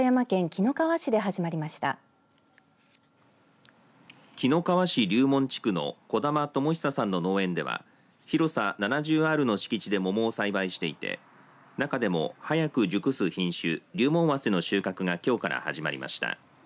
紀の川市竜門地区の児玉知久さんの農園では広さ７０アールの敷地で桃を栽培していて中でも早く熟す品種竜門早生の収穫がきょうから始まりました。